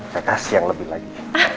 saya kasih yang lebih lagi